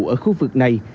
ở khu vực này